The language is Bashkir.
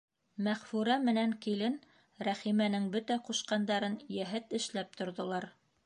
Мәғфүрә менән килен Рәхимәнең бөтә ҡушҡандарын йәһәт эшләп торҙолар.